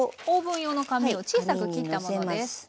オーブン用の紙を小さく切ったものです。